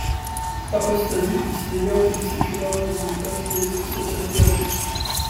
Apostasy is legal in secular Muslim countries such as Turkey.